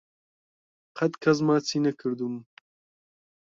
قەت کەس ماچی نەکردووم.